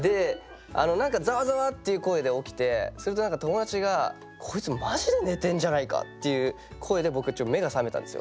何かざわざわっていう声で起きてそれで何か友達が「こいつマジで寝てんじゃないか？」っていう声で僕目が覚めたんですよ。